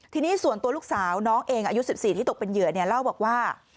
ทีนี้ส่วนตัวลูกสาวน้องเองอายุ๑๔ที่ตกเป็นเหยื่อเล่าบอกว่า